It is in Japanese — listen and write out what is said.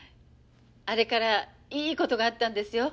あれからいいことがあったんですよ。